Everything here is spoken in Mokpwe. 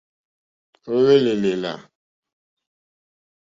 Ó hwélì èlèlà.